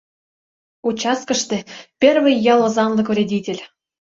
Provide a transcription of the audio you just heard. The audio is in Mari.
— «Участкыште первый ял озанлык вредитель: